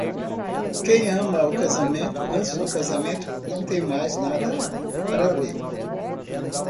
Quem ama o casamento antes do casamento não tem mais nada para a lei.